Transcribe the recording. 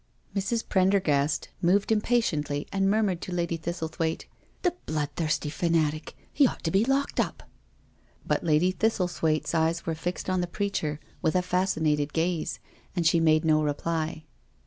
*' Mrs. Prendergast moved impatiently and murmured to Lady Thistlethwaite, " The bloodthirsty fanatic — ^he ought to be locked up." But Lady Thistlethwaite's eyes were fixed on the preacher with a fascinated gaze, and she made no reply.